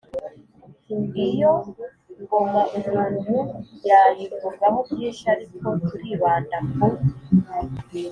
iyo ngoma umuntu yayivugaho byinshi, ariko turibanda ku